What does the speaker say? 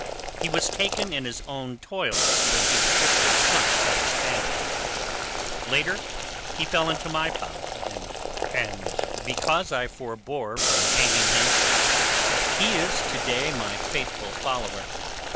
He was taken in his own toils when his ship was sunk by Spaniards. Later he fell into my power, and because I forebore from hanging him he is to day my faithful follower.